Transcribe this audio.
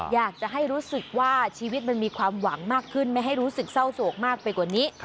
อยากจะให้รู้สึกว่าชีวิตมันมีความหวังมากขึ้นไม่ให้รู้สึกเศร้าโศกมากไปกว่านี้